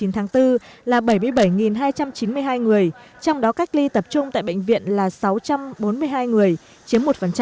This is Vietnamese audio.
tổng số trường hợp được cách ly tính đến sáu giờ ngày chín tháng bốn là bảy mươi hai hai trăm chín mươi hai người trong đó cách ly tập trung tại bệnh viện là sáu trăm bốn mươi hai người chiếm một